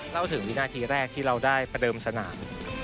เล่าถึงวินาทีแรกที่เราได้ประเดิมสนาม